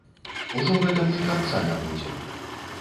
Ужо гэтаму і канца не будзе!